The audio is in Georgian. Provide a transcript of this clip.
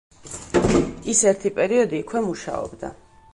ის ერთი პერიოდი იქვე მუშაობდა.